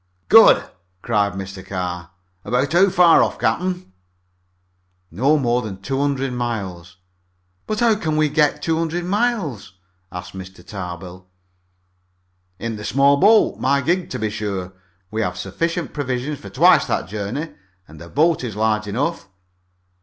"Good!" cried Mr. Carr. "About how far off, captain?" "Not more than two hundred miles." "But how can we go two hundred miles?" asked Mr. Tarbill. "In the small boat my gig to be sure. We have sufficient provisions for twice that journey, and the boat is large enough."